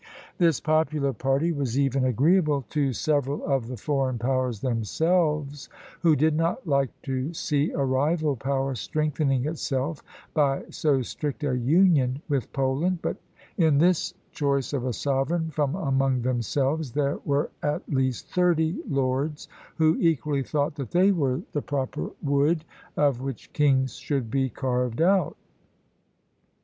This popular party was even agreeable to several of the foreign powers themselves, who did not like to see a rival power strengthening itself by so strict a union with Poland; but in this choice of a sovereign from among themselves, there were at least thirty lords who equally thought that they were the proper wood of which kings should be carved out.